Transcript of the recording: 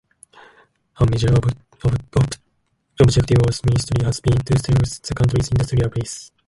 A major objective of the ministry has been to strengthen the country's industrial base.